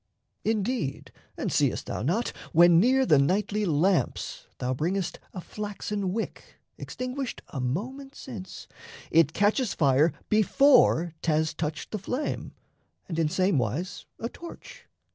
Indeed, And seest thou not, when near the nightly lamps Thou bringest a flaxen wick, extinguished A moment since, it catches fire before 'Thas touched the flame, and in same wise a torch?